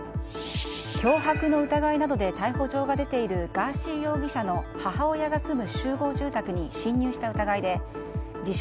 脅迫の疑いなどで逮捕状が出ているガーシー容疑者の母親が住む集合住宅に侵入した疑いで自称